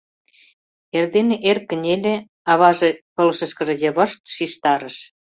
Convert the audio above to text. Эрдене эр кынеле, аваже пылышышкыже йывышт шижтарыш: